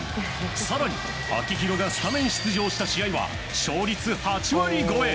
更に、秋広がスタメン出場した試合は勝率８割超え！